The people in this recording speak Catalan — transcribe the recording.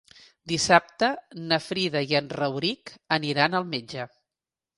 Dissabte na Frida i en Rauric aniran al metge.